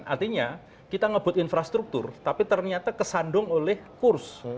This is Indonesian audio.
sebenarnya kita membuat infrastruktur tapi ternyata kesandung oleh kurs